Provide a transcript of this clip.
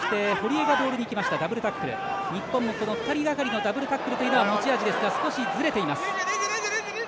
日本は２人がかりのダブルタックルというのが持ち味ですが少しずれています。